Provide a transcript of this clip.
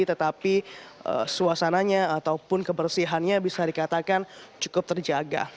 tetapi suasananya ataupun kebersihannya bisa dikatakan cukup terjaga